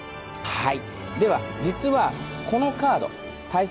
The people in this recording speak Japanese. はい。